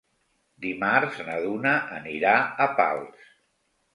Dimarts na Duna anirà a Pals.